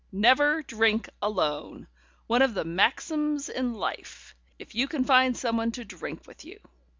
Never drink alone one of my maxims in life if you can find someone to drink with you.